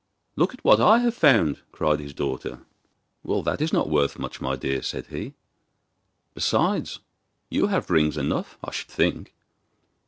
'Look at what I have found!' cried his daughter. 'Well, that is not worth much, my dear,' said he. 'Besides, you have rings enough, I should think.